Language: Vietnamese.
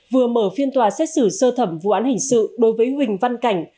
vừa mở phiên tòa xét xử sơ thẩm vụ án hình sự đối với huỳnh văn cảnh